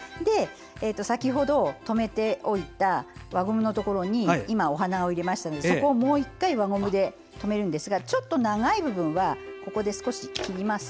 先ほど留めておいた輪ゴムのところにお花を入れましたのでそこをもう１回輪ゴムで留めますが長い部分はここで少し切ります。